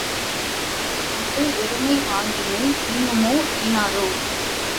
அதைக் கொண்டு எருமை வாங்கினேன் ஈனுமோ, ஈனாதோ?